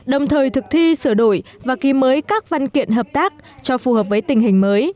đồng thời thực thi sửa đổi và ký mới các văn kiện hợp tác cho phù hợp với tình hình mới